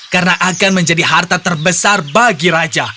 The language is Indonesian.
karena akan menjadi harta terbesar bagi raja